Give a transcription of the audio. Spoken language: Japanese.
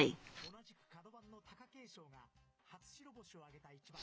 同じく角番の貴景勝が初白星を挙げた一番です。